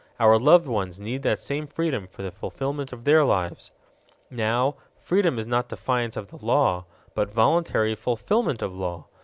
Our loved ones need that same freedom for the fulfillment of their lives. Now, freedom is not defiance of law, but voluntary fulfillment of law.